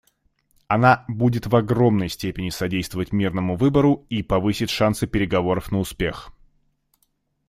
Она будет в огромной степени содействовать мирному выбору и повысит шансы переговоров на успех.